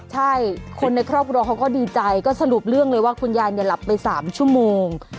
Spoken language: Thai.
ใช่คนในครอบครัวเขาก็ดีใจก็สรุปเรื่องเลยว่าคุณยายเนี่ยหลับไป๓ชั่วโมง